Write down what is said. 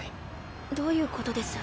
どういうことです？